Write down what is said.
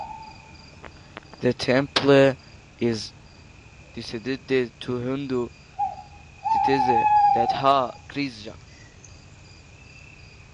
The temple is dedicated to Hindu deities Radha Krishna.